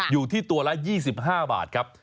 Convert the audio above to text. อยู่ที่ตัวละ๒๕บาทครับ